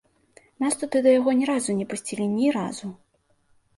Нас туды да яго ні разу не пусцілі, ні разу.